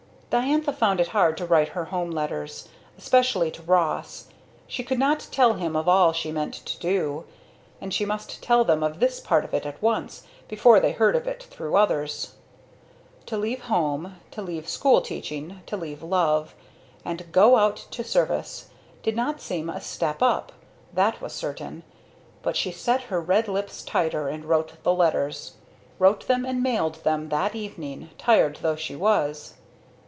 Diantha found it hard to write her home letters, especially to Ross. She could not tell them of all she meant to do; and she must tell them of this part of it, at once, before they heard of it through others. To leave home to leave school teaching, to leave love and "go out to service" did not seem a step up, that was certain. But she set her red lips tighter and wrote the letters; wrote them and mailed them that evening, tired though she was.